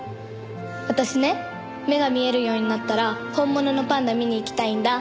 私ね目が見えるようになったら本物のパンダ見に行きたいんだ。